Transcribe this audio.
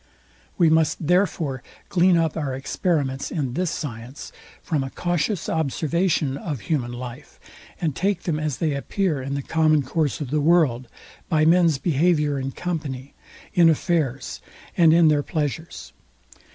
We must therefore glean up our experiments in this science from a cautious observation of human life, and take them as they appear in the common course of the world, by men's behaviour in company, in affairs, and in their pleasures.